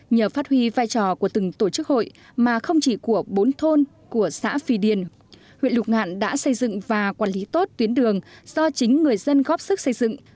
nhờ phát huy vai trò của từng tổ chức hội mà không chỉ của bốn thôn của xã phi điền huyện lục ngạn đã xây dựng và quản lý tốt tuyến đường do chính người dân góp sức xây dựng